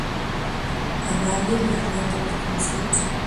A nadie le arriendo mi conciencia.